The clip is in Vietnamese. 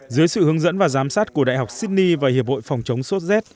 dưới sự hướng dẫn và giám sát của đại học sydney và hiệp hội phòng chống sốt z